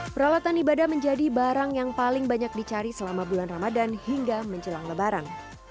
peralatan ibadah menjadi barang yang paling banyak dicari selama bulan ramadan hingga menjelang lebaran